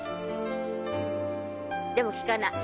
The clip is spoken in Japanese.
でも聞かない。